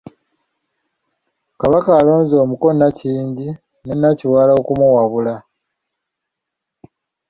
Kabaka alonze omuko Nakyingi ne Nakiwala okumuwabula.